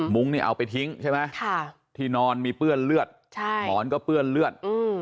นี่เอาไปทิ้งใช่ไหมที่นอนมีเปื้อนเลือดถอนก็เปื้อนเลือด